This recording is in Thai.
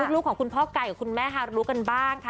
ลูกของคุณพ่อไก่กับคุณแม่ฮารุกันบ้างค่ะ